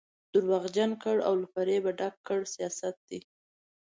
درواغجن ګړ او له فرېبه ډک کړ سیاست دی.